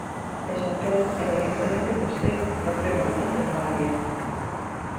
Es un pez eminentemente costero, no frecuentando el mar abierto.